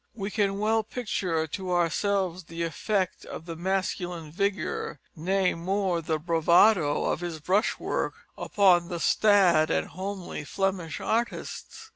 We can well picture to ourselves the effect of the masculine vigour, nay, more, the bravado of his brush work upon the staid and homely Flemish artists.